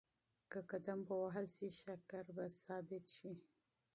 که قدم ووهل شي شکر به ثابت شي.